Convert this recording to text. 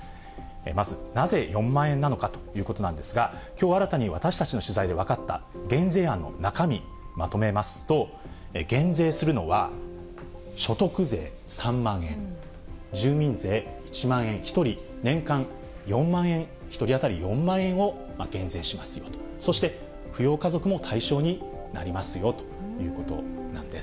まずなぜ４万円なのかということなんですが、きょう新たに私たちの取材で分かった減税案の中身、まとめますと、減税するのは、所得税３万円、住民税１万円、１人年間４万円、１人当たり４万円を減税しますよと、そして扶養家族も対象になりますよということなんです。